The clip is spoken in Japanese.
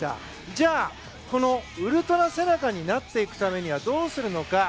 じゃあ、このウルトラ背中になっていくためにはどうするのか。